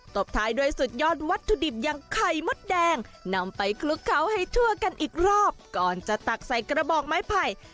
บท้ายด้วยสุดยอดวัตถุดิบอย่างไข่มดแดงนำไปคลุกเขาให้ทั่วกันอีกรอบก่อนจะตักใส่กระบอกไม้ไผ่